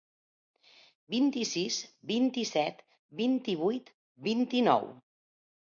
Vint-i-sis, vint-i-set, vint-i-vuit, vint-i-nou.